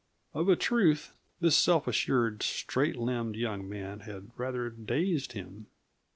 Of a truth, this self assured, straight limbed young man had rather dazed him.